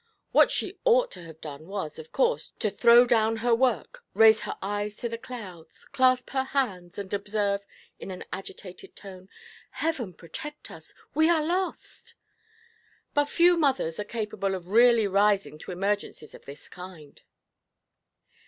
What she ought to have done was, of course, to throw down her work, raise her eyes to the clouds, clasp her hands, and observe, in an agitated tone, 'Heaven protect us! We are lost!' But few mothers are capable of really rising to emergencies of this kind.